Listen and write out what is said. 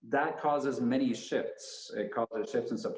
dan terakhir kesehatan